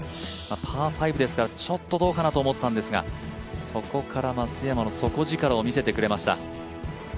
パー５ですから、ちょっとどうかなと思ったんですがそこから松山の底力を見せてくれました。